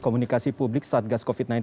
komunikasi publik satgas covid sembilan belas